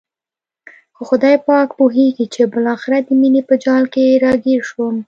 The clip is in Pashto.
خو خدای پاک پوهېږي چې بالاخره د مینې په جال کې را ګیر شوم.